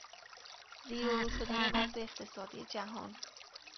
زیر و رو شدن وضع اقتصادی جهان